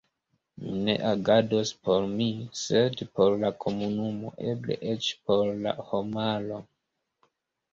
Mi ne agados por mi, sed por la komunumo, eble eĉ por la homaro.